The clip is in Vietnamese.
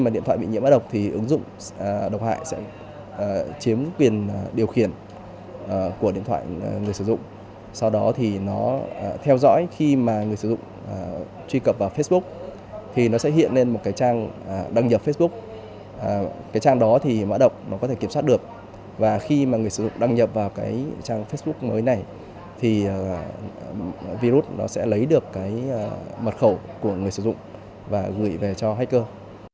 điện thoại sẽ chiếm quyền điều khiển của điện thoại người sử dụng sau đó thì nó theo dõi khi mà người sử dụng truy cập vào facebook thì nó sẽ hiện lên một cái trang đăng nhập facebook cái trang đó thì mã độc nó có thể kiểm soát được và khi mà người sử dụng đăng nhập vào cái trang facebook mới này thì virus nó sẽ lấy được cái mật khẩu của người sử dụng và gửi về cho hacker